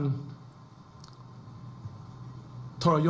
ไม่มีการ